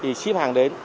thì ship hàng đến